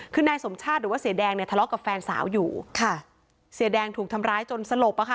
คือนายสมชาติหรือว่าเสียแดงเนี่ยทะเลาะกับแฟนสาวอยู่ค่ะเสียแดงถูกทำร้ายจนสลบอะค่ะ